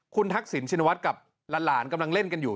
คุณทักษิณชินวัฒน์กับหลานกำลังเล่นกันอยู่